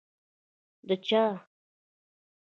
ـ د چا؟!